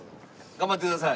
頑張ってください。